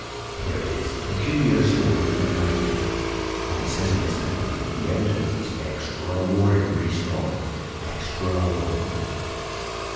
Here it is: 'Pe culiar Story from Iping.' And it says in this paper that the evidence is extra ordinary strong—extra ordinary."